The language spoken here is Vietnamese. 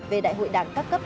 về đại hội đảng cấp cấp